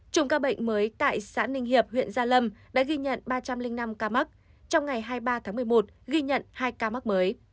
chủng ca bệnh mới tại xã ninh hiệp huyện gia lâm đã ghi nhận ba trăm linh năm ca mắc trong ngày hai mươi ba tháng một mươi một ghi nhận hai ca mắc mới